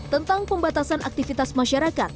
tentang pembatasan aktivitas masyarakat